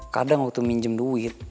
kadang waktu minjem duit